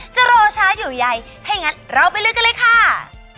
จะรอช้าอยู่ใหญ่ถ้าอย่างงั้นเราไปเลือกกันเลยค่ะ